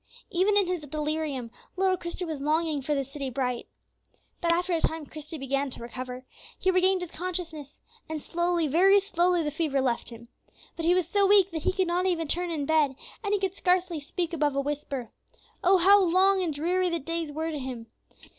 Even in his delirium, little Christie was longing for "the city bright." But, after a time, Christie began to recover; he regained his consciousness, and slowly, very slowly, the fever left him. But he was so weak that he could not even turn in bed; and he could scarcely speak above a whisper. Oh, how long and dreary the days were to him!